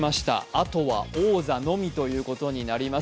あとは王座のみということになります。